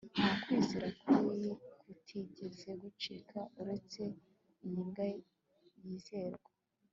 nta kwizera kutigeze gucika, uretse iy'imbwa yizerwa